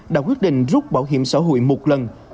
đã quyết định rút bảo hiểm xã hội một lần